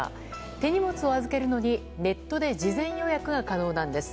手荷物を預けるのにネットで事前予約が可能なんです。